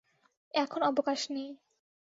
এখন অবকাশ নেই।